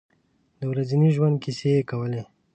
د ورځني ژوند کیسې یې کولې.